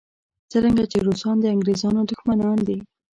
څرنګه چې روسان د انګریزانو دښمنان دي.